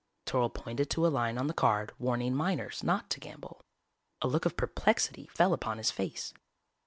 _" Toryl pointed to a line on the card warning minors not to gamble. A look of perplexity fell upon his face.